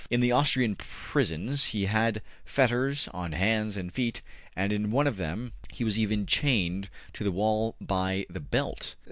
In the Austrian prisons he had fetters on hands and feet, and in one of them he was even chained to the wall by the belt.